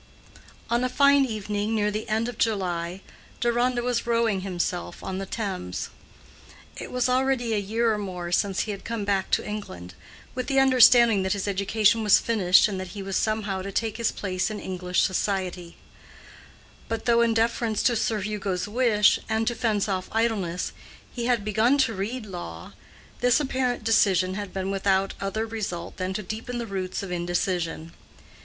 On a fine evening near the end of July, Deronda was rowing himself on the Thames. It was already a year or more since he had come back to England, with the understanding that his education was finished, and that he was somehow to take his place in English society; but though, in deference to Sir Hugo's wish, and to fence off idleness, he had begun to read law, this apparent decision had been without other result than to deepen the roots of indecision.